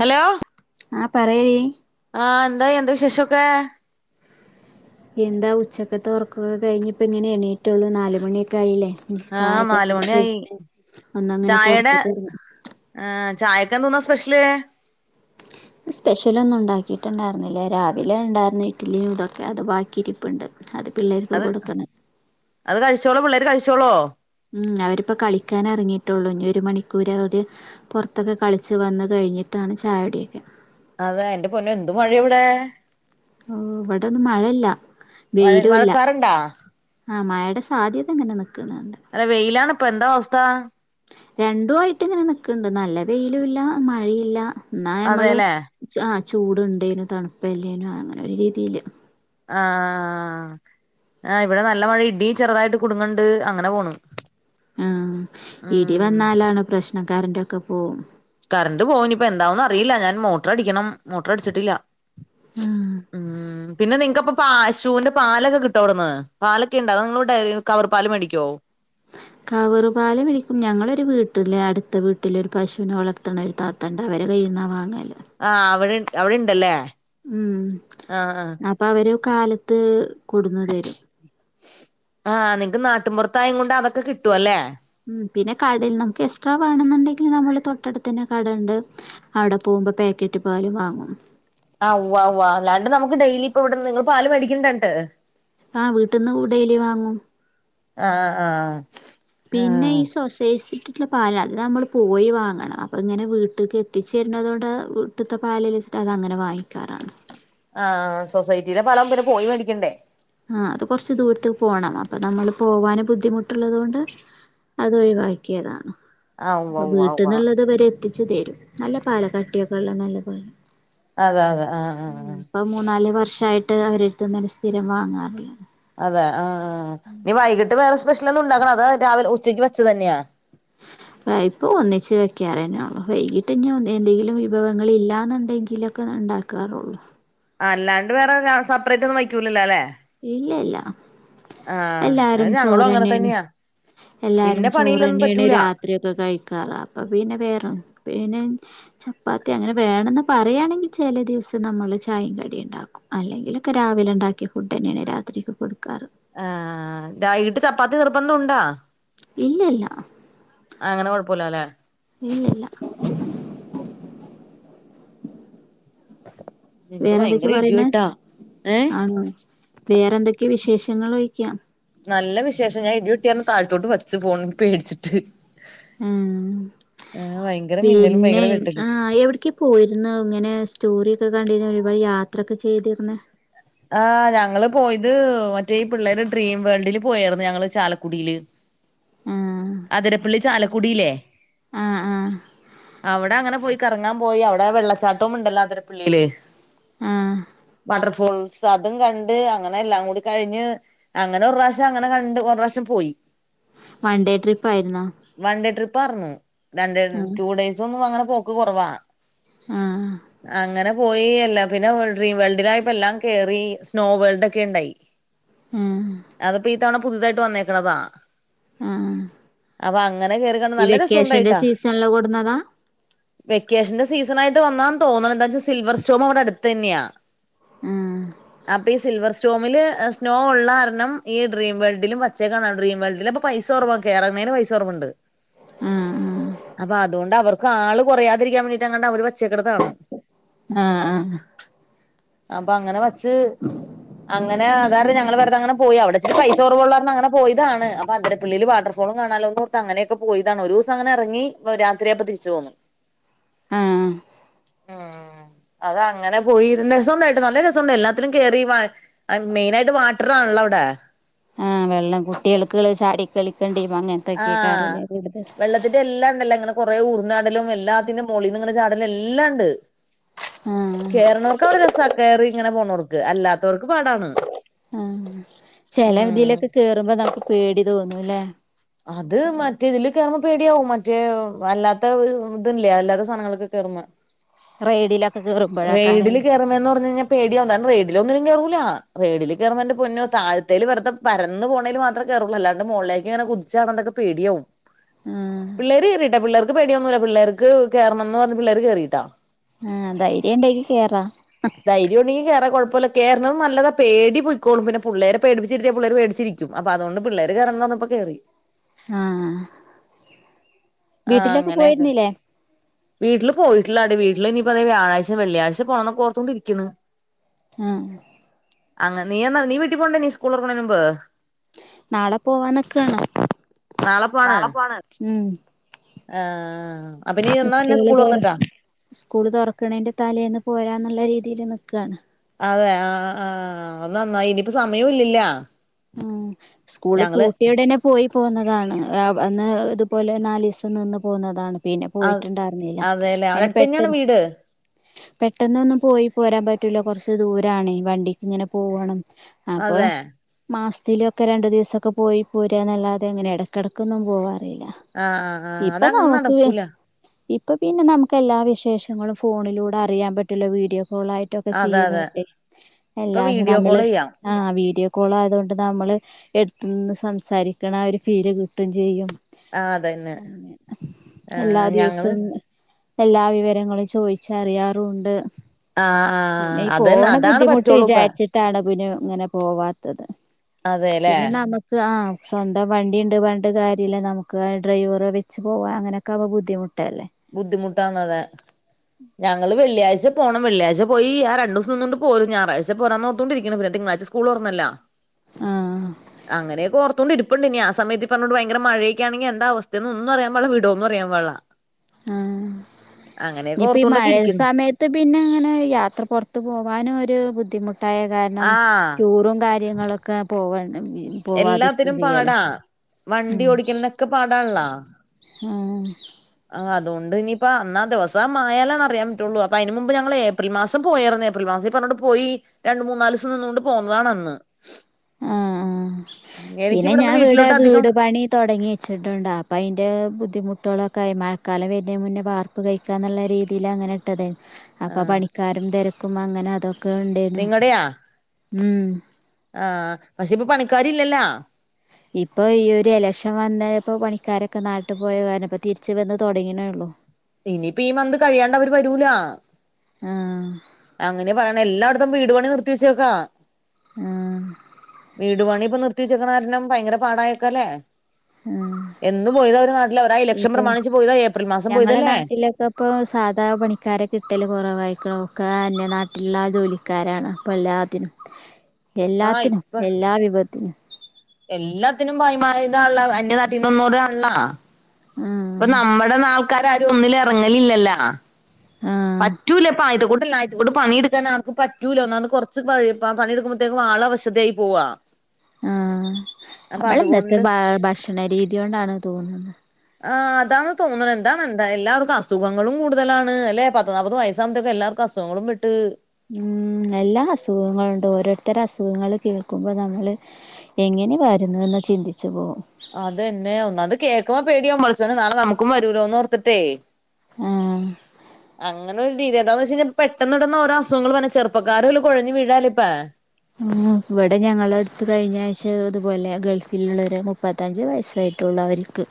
hello ആ പറയി ആഹ എന്താ എന്താ വിശേഷൊക്കെ എന്താ ഉച്ചക്കത്ത് ഉറക്കൊക്കെ കഴിഞ്ഞ ഇപ്പോൾ ഇങ്ങനെ എണീയിറ്റുള്ളൂ നാല് മണിയൊക്കെ ആയില്ലേ ആഹ് ചായക്കെ പിടച്ച് നാലുമണിയായി പിന്നെ ഒന്ന് അങ്ങനെ പുറത്തക്കെ ഇ ആ ചായക്കെ എന്തോന്നാ സ്പെഷ്യല് സ്പെഷ്യലൊന്നും ഉണ്ടാക്കിയിട്ടുണ്ടായിരുന്നില്ലേ രാവിലെ ഉണ്ടായിരുന്ന ഇട്ട്ലീ ഇതൊക്കെ അത് ബാക്കിയിട്ട ഇപ്പുണ്ട് അത് പിള്ളേർക്ക് അത് കൊടുത്ത്ണ് അത് കഴിച്ചോളൂ പിള്ളേര് കഴിച്ചോളോ ഉം അവരിപ്പ കളിക്കാൻ ഇറങ്ങിയിട്ടുള്ളൂ ഒരു മണിക്കൂർ അവര് പുറത്തൊക്കെ കളിച്ചു വന്ന കഴിഞ്ഞിട്ടാണ് ചായടൊക്കെ അത എന്റെ പൊന്നൊ എന്തു മഴ ഇവിടെ ഓഹ് ഇവടൊന്നും മഴല്ല മഴ വെയ്ലുല്ല മഴക്കാറുണ്ടാ ആഹ് മയേടെ സാധ്യത ഇങ്ങനെ നിക്ക്ണിണ്ട് അല്ല വെയിലാണിപ്പ എന്താ അവസ്ഥ രണ്ടു ആയിട്ട് ഇങ്ങനെ നക്കിണ്ട് നല്ല വെയിലുല്ല മഴില്ല ഇന്നാ ഞമ്മള് അതെല്ലേ ചു ആഹ് ചൂടുണ്ടേനു തണുപ്പല്ലേനോ അങ്ങനെ ഒരു രീതീല് ആഹ് ആഹ് ഇവടെ നല്ല മഴ ഇടി ചെറുതായിട്ട് കുടുങ്ങിണ്ട് അങ്ങനെ പോണു ആഹ് ഇടി വന്നാലാണ് പ്രശ്ന കര്ൻ്റൊക്കെ പോം കറണ്ട് പോനിപ്പൊ എന്താവുന്ന്റീല്ല ഞാൻ മോട്ട്രടിക്കണം മോട്ട്രടിച്ചിട്ടില്ല ആഹ് ഉം പിന്നെ നിങ്ങക്കിപ്പ പാശൂന്റെ പാലൊക്കെ കിട്ടോട്ന്ന് പാലൊക്കിണ്ട അതൊ നിങ്ങള് ഡെയ്റി കവർ പാല് മേടിക്കോ കവറ്പാല് പിടി ഞങ്ങളൊരു വീട്ടിലേ അടുത്ത വീട്ടിലൊരു പശൂനെ വളർ ത്തിണൊരു താത്തണ്ട് അവരെ കൈയിന്നാ വാങ്ങാൺല് ആഹ് അവിടെ അവിടിണ്ടല്ലേ ഉം അപ്പൊ അവര് കാലത്ത് കൊടന്ന് തരും ആഹ് നിങ്ങ്ക്ക് നാട്ടും പൊർത്തായെങ്കൊണ്ട് അതൊക്കെ കിട്ടുവല്ലേ ഉം പിന്നെ കടൽ നംക്ക് എസ്ട്രാ വേണെന്നുണ്ടെങ്കി നമ്മള് തൊട്ടട്ത്തെന്നെ കടണ്ട് അവ്ടെ പോമ്പ പാക്കറ്റ് പാലും വാങ്ങും ആഹ് ഉവ്വ ഉവ്വ അല്ലാണ്ട് നമുക്ക് ഡെയിലി ഇപ്പ ഇവിടെ നിങ്ങള് പാല് മേടിക്കണ്ടണ്ട് ആഹ് വീട്ടിന്ന് ഊ ഡെയ്ലി വാങ്ങും ആഹ് ആഹ് പിന്നെ ആഹ് ഈ സോസൈസ് പലാ അതമ്മൾ പോയി വാങ്ങണം അപ്പങ്ങനെ വീട്ടിക്ക് എത്തിച്ചര്ന്നതോണ്ട് ട്ട്ത്തെ പാലില് [unintelligible] അതങ്ങനെ വാങിക്കാറാണ് ആഹ് സൊസൈറ്റീലെ പലാമ്പൊന്നെ പോയി മേടിക്കണ്ടേ ആഹ് അത് കൊർച്ച് ദൂര്ത്ത് പോണം അപ്പൊ നമ്മള് പോവാൻ ബുദ്ധിമുട്ടിള്ളതോണ്ട് അതൊഴിവാക്ക്യെതാണ് ആഹ് ഉവ്വ അപ്പൊ ഉവ്വ ഉവ്വ വീട്ടിന്നിള്ളത് ഇവരെ ത്തിച്ച് തരും നല്ല പാല കട്ട്യൊക്കെള്ള നല്ല പാലാ അതെ അതെ ആഹ് ആഹ് ആഹ് ഇപ്പോൾ മൂന്നാല് വർഷായിട്ട് അവരെട്ത്തെന്ന സ്ഥിരം വാങ്ങാറ് അതെ ആഹ് നി വൈകിട്ട് വേറെ സ്പെഷ്യലൊന്നുണ്ടാക്കണ അത രാവിൽ ഉച്ചയ്ക്ക് വച്ചതെന്ന്യാ പ ഇപ്പോ ഒന്നിച്ച് വെക്ക്യാറെന്നോളു വൈകിട്ടിഞു എന്തെങ്കിലും വിഭവങ്ങളില്ലല്ലെന്നുണ്ടെങ്കിലൊക്കെ ഇണ്ടാ കാറൊള്ളു അല്ലാണ്ട് വേറെ സെപ്പറേറ്റ് ഒന്നും വയ്ക്കൂലല്ലോ ലേ ഇല്ല ഇല്ല അത് എല്ലാരും ഞങ്ങളും അങ്ങനെ ചോറെന്നേണ് തന്നെയാ എല്ലാരും പിന്നെ പണിയില്ലൊന്നും ചോറെന്നേണ് പറ്റൂല രാ ഇത്രയൊക്കെ കഴിക്കാറ അപ്പൊ പിന്നെ വേറെ പിന്നെ ചപ്പാത്തി അങ്ങനെ വേണെന്ന് പറയാണെങ്കിൽ ചെലെ ദിവസം നമ്മള് ചായിം കടിണ്ടാക്കും അല്ലെങ്കിലൊക്കെ രാവിലെ ഉണ്ടാക്കിയ ഫുഡ് തന്നെയാണ് രാത്രിക്ക് കൊടുക്കാറ് ആഹ് വൈകിട്ട് ചപ്പാത്തി നിർബന്ധൊ ഉണ്ടാ ഇല്ലല്ല അങ്ങനെ കൊഴപ്പല്ലല്ലേ ഇല്ലല്ല ഇവിടെ വേറെന്തൊക്ക്യ ഭയങ്കര പറീണെ ഇടിവെട്ടാ ഏഹ് ആണോ വേറെന്തൊക്ക്യാ വിശേഷങ്ങളോയ്ക്കാ നല്ല വിശേഷം ഞാൻ ഇടിപൊട്ട്യാര്ണം താഴത്തോട്ട് വച്ച് ഫോൺ പേടിച്ചിട്ട് ആഹ് ആഹ് ഭയങ്കര മിന്നലും പിന്നെ ഭയങ്കര വെട്ടലും ആഹങ എവ്ട്ക്കി പോയിര്ന്നു ഇങ്ങനെ സ്റ്റോറി ഒക്കെ കണ്ടിനു ഒരുപാട് യാത്രൊക്കെ ചെയ്തിര്ന്ന് ആഹ് ഞങ്ങള് പോയ്ത് മറ്റേ ഈ പിള്ളേര് ഡ്രീം വേൾഡില് പോയാര്ന്നു ഞങ്ങള് ചാലക്കുടീല് ആഹ് അതിരപ്പള്ളി ചാലക്കുടില്ലേ ആഹ് ആഹ് അവിടെ അങ്ങനെ പോയി ക്കറങ്ങാൻ പോയി അവിടെ വെള്ളച്ചാട്ടവും ഉണ്ടല്ലോ അതിരപിള്ളിയില് ആഹ് വാട്ടർഫോൾ സ് അതും കണ്ട് അങ്ങനെ എല്ലാം കൂടി കഴിഞ്ഞ് അങ്ങനെ ഒർ റാശ്യം അങ്ങനെ കണ്ട് പ്പൊ ഒറാശ്യം പോയി വൺ ഡേ ട്രിപ്പ് ആയിരുന്നോ വൺ ഡേ ട്രിപ്പ് ആർന്നു രണ്ട് ആഹ് ടു ഡേയ്സ് ഒന്നും അങ്ങനെ പോക്ക് കുറവാ ആഹ് അങ്ങനെ പോയി എല്ലാപിന്നെവ് ഡ്രീ വേൾഡിലായപ്പോ എല്ലാം കേറി സ്നോ വേൾഡ് ഒക്കെ ഇണ്ടായി അഹ് ആഹ് അതൊക്കെ ഈ തവണ പുതുയതായിട്ട് വന്നേക്ക്ണതാ ആഹ് അപ്പൊ അങ്ങനെ കേറി കണ്ട് ഈ നല്ല വെക്കേഷന്റെ രെസൊവുണ്ടായിട്ടാ സീസണില് കൊടുന്നതാ വെക്കേഷന്റെ സീസണായിട്ട് വന്നാന്ന് തോന്ന്ണ് എന്താച്ചാ സിൽവർ സ്റ്റോംഇവ്ടെ അടത്തെന്നെയാ ആഹ് അപ്പൊ ഈ സിൽവർ സ്റ്റോമില് സ്നോ ഉള്ള കാരണം ഈ ഡ്രീം വേൾഡിലും വച്ചേക്കാണ് ഡ്രീം വേൾഡിൽ അപ്പ പൈസ സൊറവാ കേറണ്ണേന് പൈസ കൊറവ്ണ്ട് ആഹ് അപ്പൊ അതുകൊണ്ട് അവർക്ക് ആള് കൊറയാതിരിക്കാൻ വേണ്ടീട്ട് അങ്ങണ്ട് അവര് വച്ചേക്ക്ണത്താണ് ആഹ് ആഹ് അപ്പൊ അങ്ങനെ വച്ച് അങ്ങനെ അതാരണം ഞങ്ങള് വെറ്തെ അങ്ങനെ പോയി അവിടെച്ചിരി പൈസ കുറവ്ള്ളാരണം അങ്ങനെ പോയിതാണ് അപ്പ അതിരപിള്ളിയില് വാട്ടർഫോളും കാണാലോന്നോർത്ത് അങ്ങനെയൊക്കെ പോയിതാണ് ഒരൂസം അങ്ങനെ ഇറങ്ങി രാത്രിയായപ്പൊ തിരിച്ചു പോന്നു ആഹ് ആഹ് അതങ്ങനെ പോയിരുന്നേസം നല്ല രസവൊണ്ട് എല്ലാത്തിലും കേറി മെയിനായിട്ട് വാട്ടറാണല്ലോ അവിടെ ആഹ് വെള്ളം കുട്ടികൾക്ക്ള്ളെ ചാടി കളിക്കേണ്ടി അങ്ങനത്തക്കെയ്ക്കരംല്ലെ കൂടുതൽ ഇതെല്ലാം ണ്ടല്ലങ്ങനെ കൊറേ ഊർന്നാടലും എല്ലാത്തിന്റെ മോളിന്ന് ങ്ങനെ ചാടലും എല്ലാംണ്ട് ആഹ് കേർണോർക്കവ്ടെ രെസാ കേറിങ്ങനെ പോണോർക്ക് അല്ലാത്തവർക്ക് പാടാണ് ആഹ് ചെലെ ഉം ഇതിലൊക്കെ കേറുമ്പോ നമുക്ക് പേടി തോന്നുംല്ലേ അത് മറ്റേ ഇതില് കയറുമ്പോ പേടിയാവും മറ്റേ അല്ലാത്ത ഇത് ഇല്ലേ അല്ലാത്ത സാധനങ്ങൾക്ക്‌ കേറുന്ന റെയ്ഡിലൊ റെയ്ഡ്ല് കേറു മ്പന്ന് പറഞ്ഞ് കഴിഞ്ഞാൽ പേടിയാവും കാരണം റൈഡിൽ ഒന്നിലും കേറൂല്ല റൈഡിൽ കേറുമ്പോ എന്റെ പൊന്നോ താഴത്തെയ്ല് വെറുതെ പരന്ന് പോണേൽ മാത്രേ കേറെള്ളൂ അല്ലാണ്ട് മുകളിലേക്ക് ഇങ്ങനെ കുതിച്ചപോക്ണ്ടൊക്കെ പേടിയാവും ആഹ് പിള്ളേര് കേറിയിട്ടാ പിള്ളേർക്ക് പേടിയൊന്നുമില്ല പിള്ളേർക്ക് കേറണം എന്ന് പറഞ്ഞ് പിള്ളേർ കേറിട്ടാ ആഹ് ധൈര്യണ്ടെങ്കിൽ കേറാ ധൈര്യ ഉണ്ടെങ്കിൽ കേറ കുഴപ്പമില്ല കേറണം നല്ലതാ പേടി പോയിക്കോളും പിന്നെ പിള്ളേരെ പേടിപ്പിച്ചിരിരുത്തിയാൽ പിള്ളേര് പേടിച്ചിരിക്കും ക്ക്യും അപ്പ അതോണ്ട് പിള്ളേര് കേറണംന്ന് പറഞ്ഞപ്പോ കേറി ആഹ് ആഹ് വീട്ടിലൊക്കെ അങ്ങനെക്കെ പോയിരുന്നില്ലേ വീട്ടില് പോയിട്ടിള്ളാടീ വീട്ടില് ഇനിയിപ്പ വ്യാഴാഴ്ച വെള്ളിയഴ്ച പോണം പ്പോർത്തൊണ്ടിരിക്ക്‌ണ് [inaudible] ആഹ് അഹ് അങ്ങ നീ എന്നാ നീ വീട്ടിപോണ്ടോ നി സ്കൂൾ തൊറക്കണേണ് മുമ്പ് നാളെ പോവാന്ക്കാണ് നാളെ പോണ് ഉം ആഹ് അപ്പൊ നീ എന്നാ ഇനി സ്കൂള് സ്കൂൾ തുറ തുറന്നിട്ടാ സ്കൂള് തൊറക്കണേന്റെ തലേന്ന് പോരാന്ന്ള്ള രീതിയിൽ നിക്കാണ് അതെ ആഹ് ആഹ് അയ് നന്നായി ഇനിയിപ്പ സമയോം ഇല്ലല്ലാ ഉം സ്കൂള് പൂട്ടിയ ഉടനെ പോയി പോന്നതാണ് അന്ന് ഇതുപോലെ നാലീസം നിന്ന് പോന്നതാണ് പിന്നെ ആഹ് പോയിട്ട്ണ്ടാര്ന്നില്ല അതെല്ലേ അവിടെ അങ്ങനെ അടുത്തന്നെയാണ് പെട്ടെന്ന് വീട് പെട്ടെന്ന് ഒന്നും പോയി പോരാൻ പറ്റൂല കുറച്ച് ദൂരാണേ വണ്ടിക്ക് ഇങ്ങനെ പോകണം അപ്പൊ അതെ മാസത്തിലൊക്കെ രണ്ടു ദിവസൊക്കെ പോയി പോരാ എന്നല്ലാതെ എങ്ങനെ ഇടയ്ക്കിടക്കൊന്നും പോവാറില്ല ആഹ് ആ ആഹ് അത ഇപ്പൊ അങ്ങനെ നമുക്ക് നടക്കൂല ഇപ്പൊ പിന്നെ നമുക്ക് എല്ലാ വിശേഷങ്ങളും ഫോണിലൂടെ അറിയാൻ പറ്റല്ലോ വീഡിയോ കോൾ ആയി ട്ടൊക്കെ അതെ അതെ ചെയ്യുന്നൂല്ലേ ഇപ്പൊ എല്ലാഹി വീഡിയോ കോൾ നമ്മള് ചെയ്യാം ആ വീഡിയോ കാൾ കാൾ ആതുകൊണ്ട് നമ്മള് എടുത്തു നിന്ന് സംസാരിക്കുന്ന ആ ഒരു ഫീല് കിട്ടും ചെയ്യും ആഹ് അതന്നെ അങ്ങനെ എല്ലാ ആഹ് ഞങ്ങള് ദിവസവും എല്ലാ വിവരങ്ങളും ചോദിച്ച് അറിയാറുമുണ്ട് ആഹ് പിന്നെ ആഹ് ഈ അതന്നെ പോണ അതാണ് ബുദ്ധിമുട്ട് പറ്റുള്ളൂ ഇപ്പ വിചാരിച്ചിട്ടാണ് പിന്നെ ഇങ്ങനെ പോവാത് അതെല്ലേ നമുക്ക് ആഹ് സ്വന്തം വണ്ടി ഉണ്ട് വേണ്ടകാര്യല്ല നമുക്ക് ആ ഡ്രൈവറെ വെച്ച് പോവാ അങ്ങനെ ക്കവ ബുദ്ധിമുട്ടല്ലേ ബുദ്ധിമുട്ടാണ് അതെ ഞങ്ങള് വെള്ളിയാഴ്ച പോണം വെള്ളിയാഴ്ച പോയി ആ രണ്ട് ദിവസം നിന്നുകൊണ്ട് പോരും ഞായറാഴ്ച പോരണം എന്ന് ഓർത്തു കൊണ്ടിരിക്കുന്നു പിന്നെ തിങ്കളാ്ച സ്കൂ സ്കൂള് തുറന്നല്ലോ ആഹ് അങ്ങനെ ഒക്കെ ഓർത്തു കൊണ്ട് ഇരിപ് പ്പൊണ്ട് ഇനി ആ സമയത്ത് പറഞ്ഞോണ്ട് ഭയങ്കര മഴയൊക്കെ ആണെങ്കിൽ എന്താ അവസ്ഥയെന്ന് ഒന്നും അറിയാൻ പാടില്ല വിടോന്ന് അറിയാൻ പാടില്ല ആഹ് അങ്ങനെയൊക്കെ ഇനിപ്പ ഈ ഓർത്തോണ്ടൊക്കെ മഴയ ഇരിക്കണ് സമയത്ത് ത്ത് പിന്നെ അങ്ങനെ യാത്ര പുറത്ത് പോകാനും ഒരു ബുദ്ധിമുട്ട് ട്ടായ കാരണം ആഹ് ടൂറും കാര്യങ്ങളൊക്കെ പോവാൻ എല്ലാത്തിനും പാടാ വണ്ടി ഉം ഓടിക്കനൊക്കെ പാടാൺള്ളാ ആഹ് ആഹ് അതുകൊണ്ട് ഇനിയിപ്പ അന്നാ ദിവസംമായാലാണ് അറിയാൻ പറ്റുള്ളൂ അപ്പ അതിന് മുമ്പ് ഞങ്ങൾ ഏപ്രിൽ മാസം തും പോയാർന്ന് ഏപ്രിൽ മാസത്തി ഈ പറഞ്ഞോട്ട് പോയി രണ്ട് മൂന്നാല് ദിവസം നിന്നുകൊണ്ട് പോന്നതാണ് അന്ന് ആ അഹ് പിന്നെ എനിക്കിവിടുന്ന് ഞാൻ വീട്ടിലോട്ട് വീടായപ്പോ അധികം വീട് പണി തുടങ്ങി വെച്ചിട്ടുണ്ട് അപ്പോൾ അതിൻ്റെ ബുദ്ധിമുട്ടുകളൊക്കെ ആയി മഴക്കാലം വരുന്നതിന് മുന്നേ വാർക് ർപ്പ് കഴിക്കാ എന്നുള്ള രീതിയിൽ അങ്ങനെ ഇട്ടത് ആയിരുന്നു അപ്പൊ ആഹ് പണിക്കാരും തിരക്കും അങ്ങനെ അതൊക്കെ ഉണ്ടേനു നിങ്ങടെയാ ഉം ആഹ് പക്ഷേ ഇപ്പ പണിക്കാര് ഇല്ലല്ലോ ഇപ്പൊ ഈ ഒരു ഇലക്ഷൻ വന്നപ്പോ പണിക്കാരൊക്കെ നാട്ടിൽ പോയ കാരണം ഇപ്പോ തിരിച്ച വന്ന് തുടങ്ങി നേള്ളു ഇനിയിപ്പ ഈ മന്ത് കഴിയാണ്ട് അവര് വരൂലാ ആഹ് അങ്ങനെയാ പറയണേ എല്ലായിടത്തും വീട് പണി നിർത്തിവെച്ചേക്കാ ആഹ് വീട് പണി ഇപ്പൊ നിർത്തി വെച്ചേക്കണാരണം ഭയങ്കര പാടായക്ക അല്ലേ ആഹ് എന്ന് പോയത അവര് നാട്ടില് അവരാ ഇലഷൻ ഇപ്പൊ പ്രമാണിച്ച് പോയതാ ഏപ്രിൽ മാസം പോയി ഇപ്പപ്പോ സാധാ പണിക്കാരെ കിട്ടല് കുറവായിക്കെ ഒക്കെയാ അന്യനാട്ടിലുള്ള ആ ജോലി ക്കാരാണ് അപ്പൊ എല്ലാത്തിനും [inaudible] ആഹ് എല്ലാത്തിനും ഇപ്പ എല്ലാ വിഭവത്തിനും എല്ലാത്തിനും ബായി മാ ഇതാണ്ള്ളോ അന്യ നാട്ടീന്ന് വന്നോരാണള്ളോ ഇപ്പൊ ആഹ് നമ്മടെ ന്നാൾക്കാര് ആരും ഒന്നില് ഇറങ്ങലില്ലല്ലോ ആഹ് പറ്റൂല അപ്പ ഇതു കൂട്ട് ലായ് ഇതുക്കൂട്ട് പണിയെടുക്കാൻ ആർക്ക് പറ്റൂല്ല ഒന്നാത് കുറച്ച് പഴ് പണിയെടുക്ക് മ്പോഴേക്ക് ആള് അവശതയായി പോവാ [inaudible] ആഹ് അപ്പൊ നമ്മള് എന്നത്തെ അതുകൊണ്ട് ബാ ഭക്ഷണ രീതി കൊണ്ടാണ് തോന്നുന്നത് ആ അതാന്ന് തോന്നുന്നത് എന്താ എന്താ എല്ലാവർക്കും അസുഖങ്ങളും കൂടുതലാണ് അല്ലെ പത് ത്ത് നാപ്പത് വയസ്സാകുമ്പഴത്തേക്ക് എല്ലാർക്കും അഖൂങ്ങളും പെട്ട് ഉം എല്ലാ അസുഖങ്ങളുണ്ട് ഓരോരുത്തരു അസുഖങ്ങൾ കേൾക്കുമ്പോ നമ്മള് എങ്ങനെ വരുന്നു എന്ന് ചിന്തിച്ചു പോകും അത് ന്നെ ഒന്നാത് കേൾക്കുമ്പോ പേടിയാകും പടച്ചോനെ നാളെ നമുക്കും വരൂലോന്ന് ഓർത്തിട്ടേ ആഹ് അങ്ങ് അങ്ങന ഒരു രീതി എതാന്ന് വെച്ച് പെട്ടെന്ന്പെട്ടന്ന് ഓരോ അസുങ്ങങ്ങള് വന്ന് ചെറുക്കാര കുഴഞ്ഞ് വീഴാലിപ്പ ഉം ഇവിടെ ഞങ്ങള അടുത്ത് കഴിഞ്ഞ ആഴ്ച്ച അതുപോലെ ഗൾഫിലുള്ളവർ മുപ്പത്തഞ്ച് വയസ്സായിട്ടുള്ളവരി ക്ക്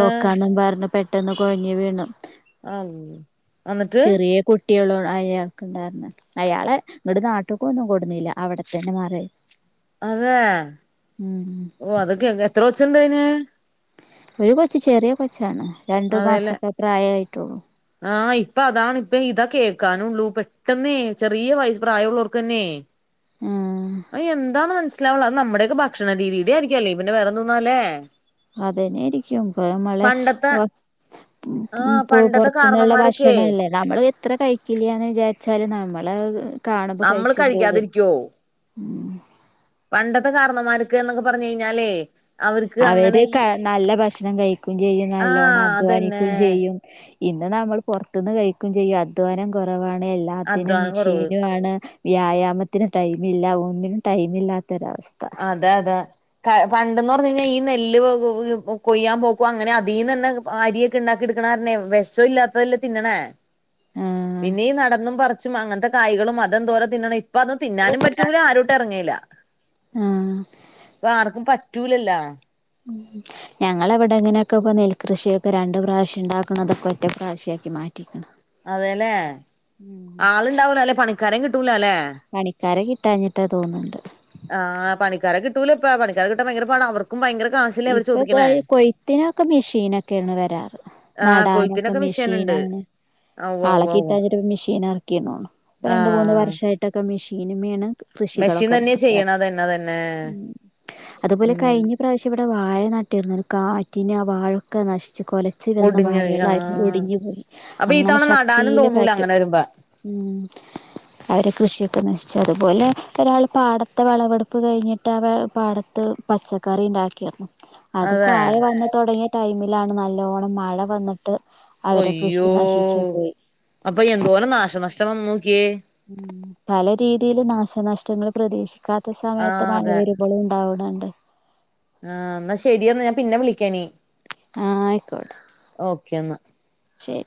ഏഹ് പറഞ്ഞ പെട്ടെന്ന് കുഴഞ്ഞ് വീണ് അയ്യോ ചെറിയ കുട്ടികള അയാൾക്കുണ്ടായിരുന്നേ അയാളെ ഇങ്ങുടെ നാട്ടുക്ക ഒന്നും കൊടുന്നില്ല അവിടത്ത തന്നെ മാറ അതെ ഓ അതൊക്കെ എത്ര കൊച്ചുണ്ടാന് ഒരു കൊച്ച ചെറിയ കൊച്ചാണ് രണ്ടു അതേല്ലേ മാസമൊക്കെ പ്രായമായിട്ടുള്ളൂ ആഹ് ഇപ്പ അതാാണ് ഇപ്പ ഇതാ കേൾക്കാനുള്ളൂ പെട്ടെന്നേ ചെറിയ വയസ് പ്രായമുള്ളവർക്ക് തന്നെ ഉം അയ് എന്താന്ന് മൻസ് ലാവണില്ല നമ്മുടെയക്കെ ഭക്ഷണ രീതിയുടെ ആയിരിക്കും അല്ലേ പിന്നെ വേറെന്തോന്നാലേ- അതന്നൊയിരിക്കും ഇപ്പ മളെ പണ്ടത്തെ പൊ ആഹ് പൊ പണ്ടത്തെ പൊറത്തുന്നുള്ള കാരണവന്മാരൊക്കെ ഭക്ഷണ അല്ലേ നമ്മള് എത്ര കഴിക്കില്ലന്ന് വിചാരിച്ചാല് നമ്മള് കാണുമ്പോ നമ്മള് കഴിച്ച പോവൻ കഴിക്കാതിരിക്കുവോ ഉം പണ്ടത്തെ കാരണമാർക്ക് എന്നൊക്കെ പറഞ്ഞു കഴിഞ്ഞാലേ അവർക്ക് അവര് അങ്ങനെ ഈ നല്ല ഭക്ഷണം കഴിക്കുകയും ചെയ്യും നല്ലോണ്ണം ആഹ് അതന്നെ അധ്വാനിക്കുകയും ചെയ്യും ഇന്ന് നമ്മൾ പുറത്തുന്ന് കഴിക്കയും ചെയ്യും അധ്വാനം കുറവാണ് എല്ലാം ത്തിന് അധ്വാനം കുറവ് മെഷീനു ആണ് വ്യായാമത്തിന് ടൈമില്ല ഒന്നിനും ടൈമില്ലാത്തൊരവസ്ഥ അതെ അതെ പണ്ടന്ന് പറഞ്ഞ് കഴിഞ്ഞാൽ ഈ നെല്ല് കൊയ്യാൻ പോക്കും അങ്ങനെ അതിന്ന് തന്നെ അരിയൊക്കെ ഉണ്ടാക്കി എടുക്കണാരനേ വെശം ഇല്ലാത്തതല്ലേ തിന്നണേ ആഹ് പിന്നെയീ നടന്നും പറച്ചും അങ്ങനത്തെ കായ്കളും മതംന്തോര തിന്നണം അപ്പൊ അന്ന് തിന്നാനും പറ്റൂല ആരട്ടും എറങ്ങേയില്ല ആഹ് ഇപ്പൊ ആർക്കും പറ്റൂലല്ലോ ഉം ഞങ്ങള അവിടെ എങ്ങനെയൊക്കെ ഇ നെൽകൃഷിയൊക്കെ രണ്ട് പ്രാവശ്യ ഉണ്ടാക്കുന്നതൊക്കെ ഒറ്റ പ്രാവശ്യ ആക്കി മാറ്റി മാറ്റിയേക്ക്ണ് അതെല്ലെ ആളുണ്ടാവൂല അല്ലെ പണിക്കാരം കിട്ടൂല അല്ലെ പണിക്കാരെ കിട്ടാഞ്ഞിട്ടാ തോന്നുന്നുണ്ട് ആഹ് പണിക്കാര കിട്ടൂല ഇപ്പ പണിക്കാര കിട്ടാ ഭയങ്കര പാട അവർക്കും ഭയങ്കര ക്യാഷ് ഇപ്പൊ കൊയ്ത്തിനൊക്കെ മെഷീനൊക്കെയാണ് വരാറ് ആഹ് നടാനൊക്കെ കൊയ്ത്തിനൊക്കെ മിഷീൻ ഉണ്ട് മെഷീനാണ് ഉവ്വ് ആളെ ഉവ്വ് ഉവ്വ് കിട്ടാഞ്ഞിട്ട് മെഷീൻ ഇറക്കി തോന്നുന്നു ഇപ്പോൾ രണ്ട് മൂന്ന് ആഹ് വർഷമായിട്ടൊക്കെ മെഷീന് മ്മേണ് മെഷീൻ കൃഷികളൊക്കെ തന്നെയാ നടക്കാറ് ചെയ്യണത് അതന്നെ അതന്നെ ഉം അതുപോലെ ഉം കഴിഞ്ഞ് ഇ പ്രാവശ്യം ഇവിടെ വാഴ നട്ടിരുന്നു കാറ്റിനു ആഹ് വാഴൊക്കെ നശിച്ചു കൊല ച്ച് വന്ന ഒടിഞ്ഞോയി വാഴളേആയിരുന്നു ആഹ് ഒടിഞ്ഞു പോയി അപ്പൊ ഈ അങ്ങനെ തവണ നടാനും ശക്തിയില് തോന്നൂല കാറ്റും അങ്ങനെ വരുമ്പോ ഉം അവരെ കൃഷിയൊക്കെ നശിച്ചു അതുപോലെ ഒരാൾ പാടത്തെ വെളവെടുപ്പ് കഴിഞ്ഞിട്ട് ആഹ് പാടത്ത് പച്ചക്കറി ഉണ്ടാക്ക് ക്കിഅത് അതെ കായ വന്ന തുടങ്ങിയ ടൈമിലാണ് നല്ലോണം മഴ വന്നിട്ട് അവരെ കൃഷി അയ്യോ നശിച്ചു പോയി അപ്പൊ എന്തോരം നാശനഷ്ടം വന്ന് നോക്കിയേ ഉം പല രീതിൽ നാശനഷ്ടങ്ങൾ പ്രതീക്ഷിക്കാ ക്കാത്ത സമയത്ത് ആഹ് മഴ അതെ വരുമ്പളും ഉണ്ടാവുന്നുണ്ട് ആഹ് എന്നാ ശരിയന്ന ഞാൻ പിന്നെ വിളിക്കാനി ആഹ് ആയിക്കോട്ടെ ഓക്കെ എന്നാ ശരി